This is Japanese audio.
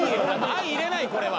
相いれないこれは。